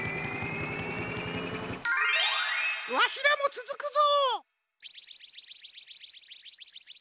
わしらもつづくぞ！